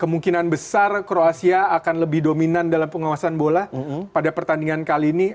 kemungkinan besar kroasia akan lebih dominan dalam pengawasan bola pada pertandingan kali ini